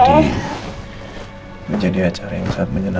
baru menemukan reina gak apa apa ya no